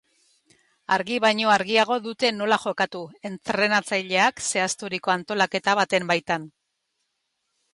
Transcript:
Argi baino argiago dute nola jokatu, entrenatzaileak zehazturiko antolaketa baten baitan.